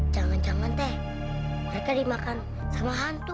jangan jangan deh mereka dimakan sama hantu